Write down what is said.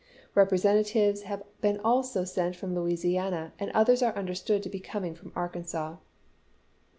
Representatives have been also sent from Louisiana, and others are understood to be coming from Arkansas.